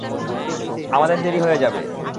আমাদের দেরি হয়ে যাবে!